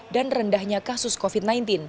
dan rendahnya kasus covid sembilan belas